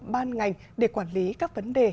ban ngành để quản lý các vấn đề